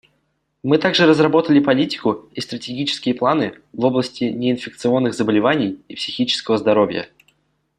Мы также разработали политику и стратегические планы в области неинфекционных заболеваний и психического здоровья.